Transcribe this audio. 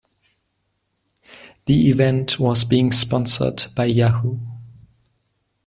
The event was being sponsored by Yahoo!